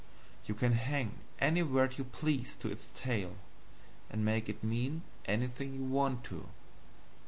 You can hang any word you please to its tail, and make it mean anything you want to.